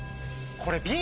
これ。